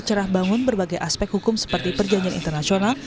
cerah bangun berbagai aspek hukum seperti perjanjian internasional